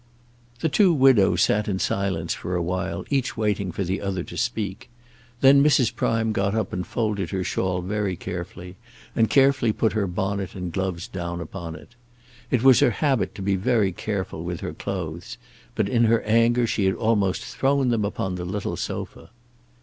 The two widows sat in silence for a while, each waiting for the other to speak. Then Mrs. Prime got up and folded her shawl very carefully, and carefully put her bonnet and gloves down upon it. It was her habit to be very careful with her clothes, but in her anger she had almost thrown them upon the little sofa.